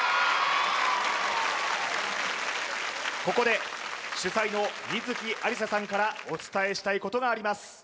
ここで主宰の観月ありささんからお伝えしたいことがあります